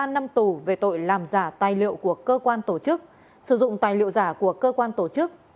ba năm tù về tội làm giả tài liệu của cơ quan tổ chức sử dụng tài liệu giả của cơ quan tổ chức